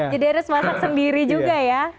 jadi harus masak sendiri juga ya